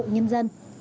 giúp nhân dân